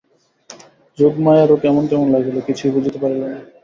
যোগমায়ারও কেমন কেমন লাগিল, কিছুই বুঝিতে পারিল না।